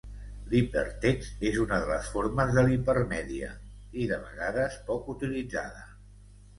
L'hipertext és una de les formes de l'hipermèdia i de vegades poc utilitzada.